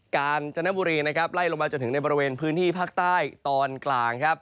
การจนบุรีไล่ลงมาจนถึงในบริเวณพื้นที่ภาคใต้ตอนกลาง